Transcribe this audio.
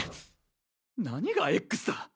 何がＸだ！